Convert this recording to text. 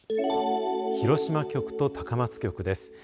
広島局と高松局です。